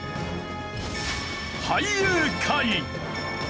俳優界。